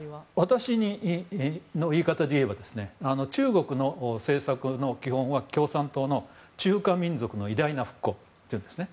私の言い方で言えば中国の政策の基本は共産党の中華民族の偉大な復興というんですね。